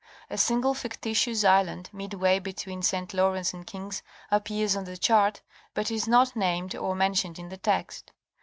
A single fictitious island. midway between St. Lawrence and King's appears on the chart, but is not named or men tioned in the text.